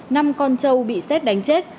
năm con trâu bị xét đánh chết